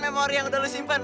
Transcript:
memori yang udah lo simpen